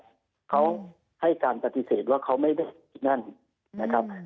แล้วน้องให้การปฏิเสธว่าเขาไม่ได้นั่นนะครับ